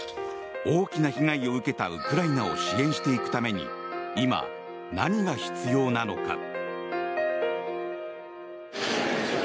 大きな被害を受けたウクライナを支援していくために今、何が必要なのか。